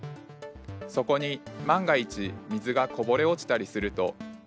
そこに万が一水がこぼれ落ちたりすると。